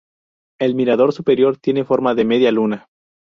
El mirador superior tiene forma de media luna.